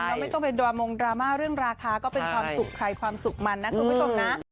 ก็ไม่ต้องเป็นดรามงดราม่าเรื่องราคาก็เป็นความสุขใครความสุขมันนะคุณผู้ชมนะ